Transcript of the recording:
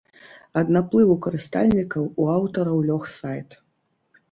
Ад наплыву карыстальнікаў у аўтараў лёг сайт.